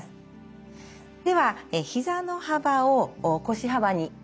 ではひざの幅を腰幅に。